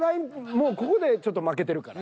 もうここでちょっと負けてるから。